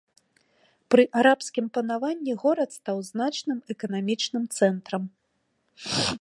Пры арабскім панаванні горад стаў значным эканамічным цэнтрам.